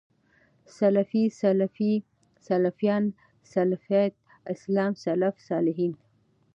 سلفي، سلفۍ، سلفيان، سلفيَت، اسلاف، سلف صالحين